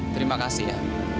terima kasih ya